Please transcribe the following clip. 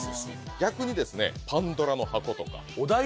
逆にですね「パンドラの箱」とか。